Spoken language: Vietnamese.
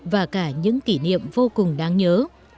và cả những kỷ niệm vô cùng đáng nhớ